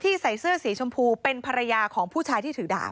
ใส่เสื้อสีชมพูเป็นภรรยาของผู้ชายที่ถือดาบ